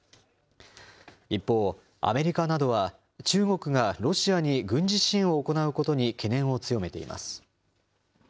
一方、アメリカなどは、中国がロシアに軍事支援を行うことに懸念を強めています。